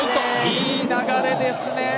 いい流れですね。